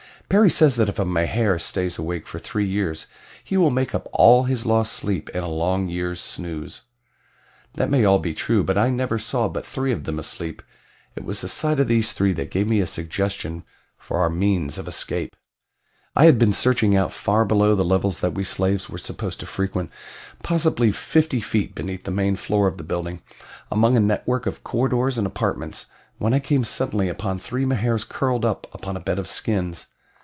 Perry says that if a Mahar stays awake for three years he will make up all his lost sleep in a long year's snooze. That may be all true, but I never saw but three of them asleep, and it was the sight of these three that gave me a suggestion for our means of escape. I had been searching about far below the levels that we slaves were supposed to frequent possibly fifty feet beneath the main floor of the building among a network of corridors and apartments, when I came suddenly upon three Mahars curled up upon a bed of skins.